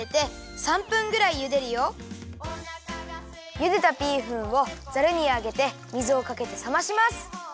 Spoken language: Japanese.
ゆでたビーフンをザルにあげて水をかけてさまします。